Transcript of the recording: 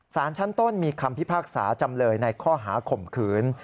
สารชั้นต้นมีคำพิพากษาจำเลยในข้อหาข่มขืน